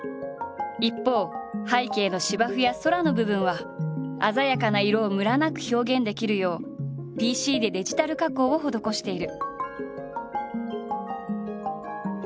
一方背景の芝生や空の部分は鮮やかな色をムラなく表現できるようＰＣでデジタル加工を施している。